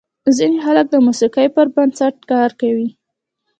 ځینې خلک د موسیقۍ پر بنسټ کار کوي.